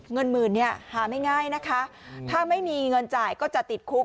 เงินหมื่นเนี่ยหาไม่ง่ายนะคะถ้าไม่มีเงินจ่ายก็จะติดคุก